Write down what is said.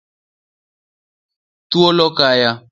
Thuol okaya.